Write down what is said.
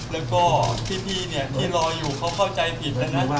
แล้วก็พี่เนี่ยที่รออยู่เขาเข้าใจผิดแล้วนะ